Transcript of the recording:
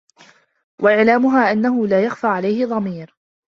وَإِعْلَامُهَا أَنَّهُ لَا يَخْفَى عَلَيْهِ ضَمِيرٌ